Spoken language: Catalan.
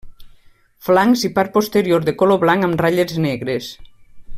Flancs i parts posteriors de color blanc amb ratlles negres.